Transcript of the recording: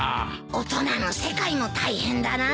大人の世界も大変だなあ。